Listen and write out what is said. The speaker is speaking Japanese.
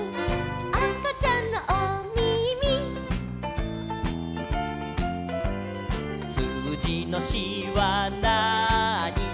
「あかちゃんのおみみ」「すうじの４はなーに」